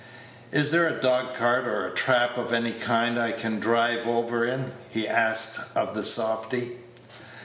"Is there a dog cart, or a trap of any kind, I can drive over in?" he asked of the softy.